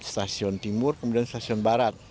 stasiun timur kemudian stasiun barat